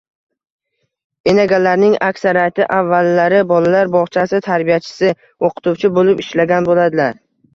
Enagalarning aksariyati avvallari bolalar bog‘chasi tarbiyachisi, o‘qituvchi bo‘lib ishlagan bo‘ladilar